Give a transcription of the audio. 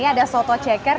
ini ada soto ceker